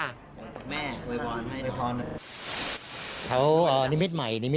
แม่กลัวให้หน่อยค่ะ